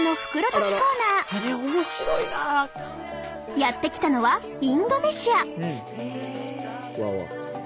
やって来たのはインドネシア。